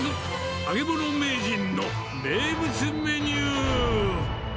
揚げ物名人の名物メニュー。